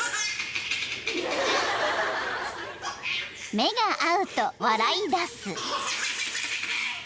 ［目が合うと笑いだす］